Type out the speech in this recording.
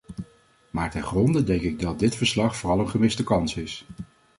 Maar ten gronde denk ik dat dit verslag vooral een gemiste kans is.